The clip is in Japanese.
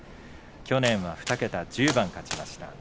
去年は２桁１０番勝ちました。